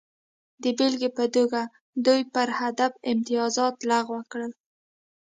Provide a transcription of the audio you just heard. د بېلګې په توګه دوی پر هدف امتیازات لغوه کړل